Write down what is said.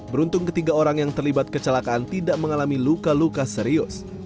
beruntung ketiga orang yang terlibat kecelakaan tidak mengalami luka luka serius